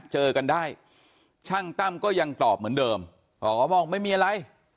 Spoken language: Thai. เจอกันได้ช่างตั้มก็ยังตอบเหมือนเดิมอ๋อบอกไม่มีอะไร